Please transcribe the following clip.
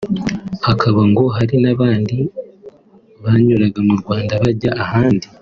hakaba ngo hari n’abandi banyuraga mu Rwanda bajya ahandi